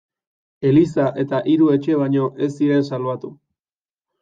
Eliza eta hiru etxe baino ez ziren salbatu.